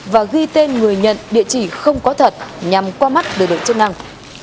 và ghi tên người nhận địa chỉ không có thật nhằm qua mắt đời đội chức năng